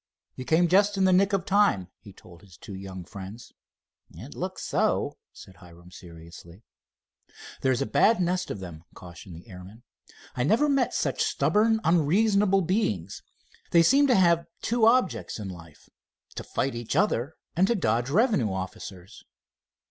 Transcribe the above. "You came just in the nick of time," he told his two young friends. "It looks so," said Hiram, seriously. "There's a bad nest of them," cautioned the airman. "I never met such stubborn, unreasonable beings. They seem to have two objects in life—to fight each other and dodge revenue officers."